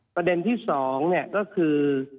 ประเด็นที่๒ก็คือ